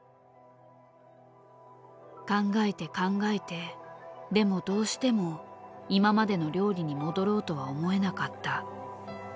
考えて考えてでもどうしても今までの料理に戻ろうとは思えなかった。